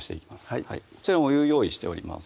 はいこちらにお湯用意しております